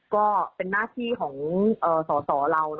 ก็เป็นหน้าที่ของสอสอเรา